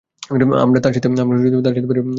আমরা তার সাথে পেরে উঠবো না।